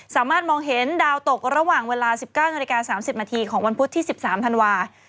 สามารถมองเห็นดาวตกระหว่างเวลา๑๙นาฬิกา๓๐นาทีของวันพุธที่๑๓ธันวาคม